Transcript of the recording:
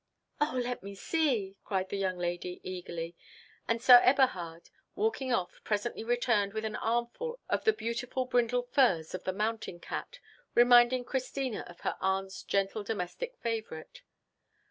"O let me see," cried the young lady eagerly; and Sir Eberhard, walking off, presently returned with an armful of the beautiful brindled furs of the mountain cat, reminding Christina of her aunt's gentle domestic favourite.